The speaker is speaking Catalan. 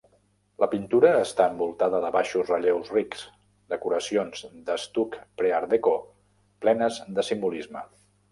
La pintura està envoltada de baixos relleus rics, decoracions d'estuc pre-art déco plenes de simbolisme.